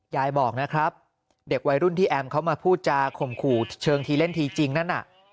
ยายบอกนะครับเด็กวัยรุ่นที่แอมเขามาพูดจาข่มขู่เชิงทีเล่นทีจริงนั่นน่ะ